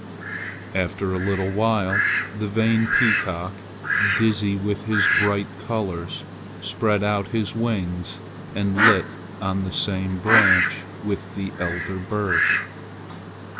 After a little while the vain peacock, dizzy with his bright colors, spread out his wings and lit on the same branch with the elder bird.